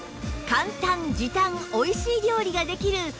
簡単時短おいしい料理ができる